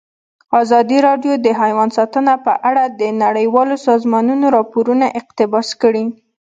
ازادي راډیو د حیوان ساتنه په اړه د نړیوالو سازمانونو راپورونه اقتباس کړي.